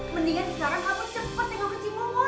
mendingan sekarang kamu cepet dengan kecik mumun